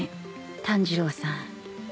炭治郎さん。